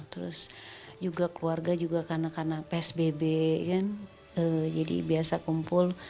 terus juga keluarga juga karena karena psbb kan jadi biasa kumpul